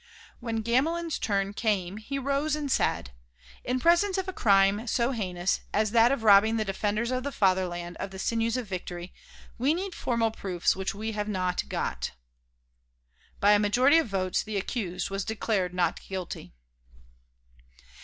When Gamelin's turn came, he rose and said: "In presence of a crime so heinous as that of robbing the defenders of the fatherland of the sinews of victory, we need formal proofs which we have not got." By a majority of votes the accused was declared not guilty.